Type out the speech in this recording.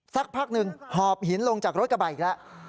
สักพักหนึ่งหอบหินลงจากรถกระบะอีกแล้ว